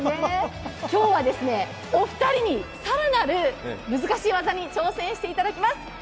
今日はお二人に更なる難しい技に挑戦していただきます。